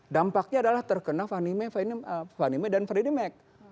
dampaknya adalah terkena fannie mae dan freddie mac